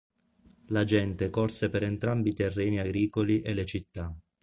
La gente corse per entrambi i terreni agricoli e le città.